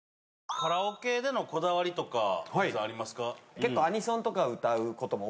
カラオケでのこだわりとか関さんありますか？